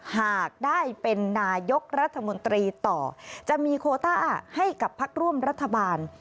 หากได้เป็นนายกรัฐมนตรีต่อจะมีโคต้าให้กับพักร่วมรัฐบาล